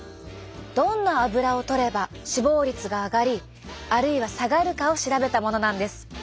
どんなアブラをとれば死亡率が上がりあるいは下がるかを調べたものなんです。